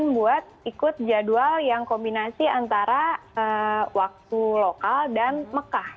buat ikut jadwal yang kombinasi antara waktu lokal dan mekah